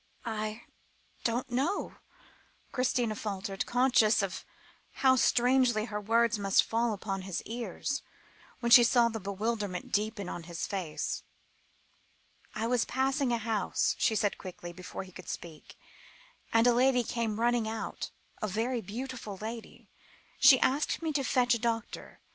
"I don't know," Christina faltered, conscious of how strangely her words must fall upon his ears, when she saw the bewilderment deepen on his face. "I was passing a house," she said quickly, before he could speak, "and a lady came running out a very beautiful lady. She asked me to fetch a doctor.